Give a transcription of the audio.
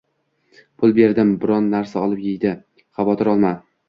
Pul berdim, biron narsa olib eydi, xavotir olma